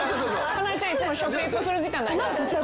かなでちゃんいつも食リポする時間ないから。